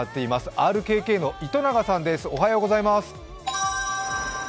ＲＫＫの糸永さんです。